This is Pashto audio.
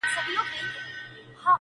د زاړه کفن کښ زوی شنل قبرونه!.